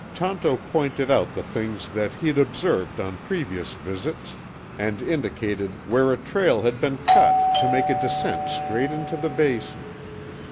Tonto pointed out the things that he'd observed on previous visits and indicated where a trail had been cut to make a descent straight into the Basin.